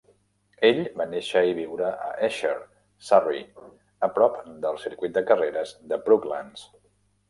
Ell va néixer i viure a Esher, Surrey, a prop del circuit de carreres de Brooklands.